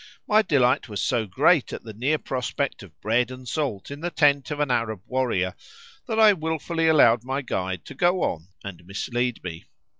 My delight was so great at the near prospect of bread and salt in the tent of an Arab warrior, that I wilfully allowed my guide to go on and mislead me.